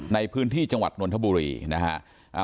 ในพื้นที่จังหวัดนนทบุรีนะฮะ